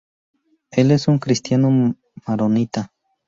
Él es un cristiano maronita.